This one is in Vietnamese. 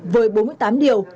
với bốn mươi tám điều